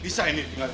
bisa ini tinggal diam